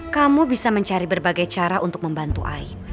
kamu bisa mencari berbagai cara untuk membantu aib